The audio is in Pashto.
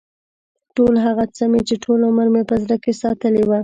ټول هغه څه مې چې ټول عمر مې په زړه کې ساتلي و.